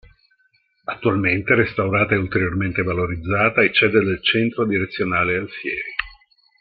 Attualmente, restaurata e ulteriormente valorizzata, è sede del Centro Direzionale Alfieri.